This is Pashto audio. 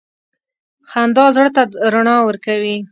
• خندا زړه ته رڼا ورکوي.